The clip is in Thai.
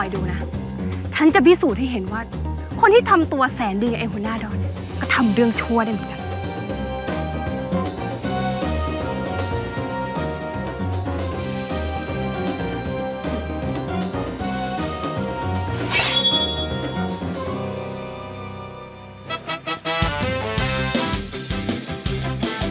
ดูนะฉันจะพิสูจน์ให้เห็นว่าคนที่ทำตัวแสนดีกับไอ้หัวหน้าดอนเนี่ยก็ทำเรื่องชั่วได้เหมือนกัน